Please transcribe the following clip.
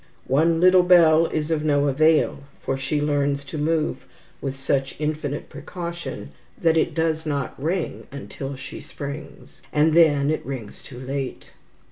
One little bell is of no avail, for she learns to move with such infinite precaution that it does not ring until she springs, and then it rings too late.